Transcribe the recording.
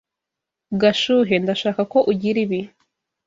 Gashuhe, ndashaka ko ugira ibi.